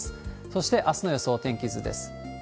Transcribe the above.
そして、あすの予想天気図です。